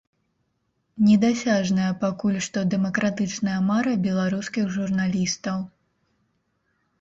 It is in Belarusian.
Недасяжная пакуль што дэмакратычная мара беларускіх журналістаў.